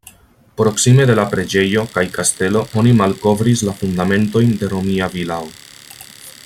Proksime de la preĝejo kaj kastelo oni malkovris la fundamentojn de romia vilao.